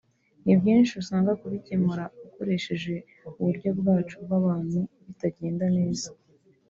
ni byinshi usanga kubikemura ukoresheje uburyo bwacu bw’abantu bitagenda neza